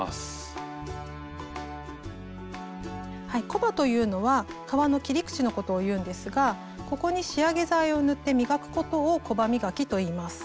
コバというのは革の切り口のことをいうんですがここに仕上げ剤を塗って磨くことを「コバ磨き」といいます。